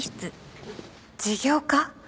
事業化？